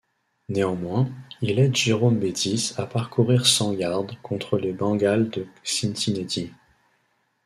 Néanmoins, il aide Jerome Bettis à parcourir cent yards contre les Bengals de Cincinnati.